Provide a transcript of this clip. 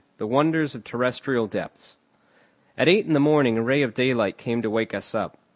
THE WONDERS OF TERRESTRIAL DEPTHS At eight in the morning a ray of daylight came to wake us up.